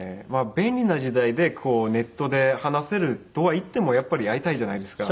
便利な時代でネットで話せるとはいってもやっぱり会いたいじゃないですか。